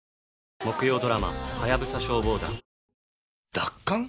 奪還？